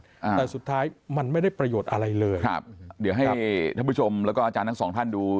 อ่าแต่สุดท้ายมันไม่ได้ประโยชน์อะไรเลยครับเดี๋ยวให้ท่านผู้ชมแล้วก็อาจารย์ทั้งสองท่านดู